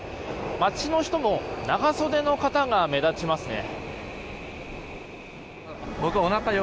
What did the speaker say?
街の人も長袖の方が目立ちますね。